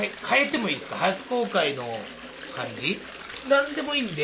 何でもいいんで。